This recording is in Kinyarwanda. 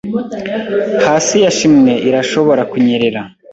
Hasi ya chimney irashobora kunyerera